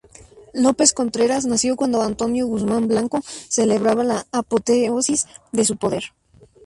López Contreras nació cuando Antonio Guzmán Blanco celebraba la apoteosis de su poder.